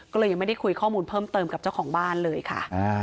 ก็เลยยังไม่ได้คุยข้อมูลเพิ่มเติมกับเจ้าของบ้านเลยค่ะ